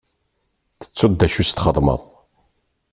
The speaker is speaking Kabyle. Tettuḍ d acu i s-txedmeḍ?